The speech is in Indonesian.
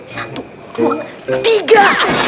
satu dua tiga